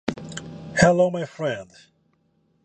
Concerning Chloe he was unable to make up his mind.